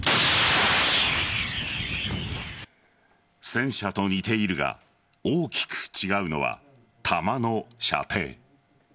戦車と似ているが大きく違うのは弾の射程。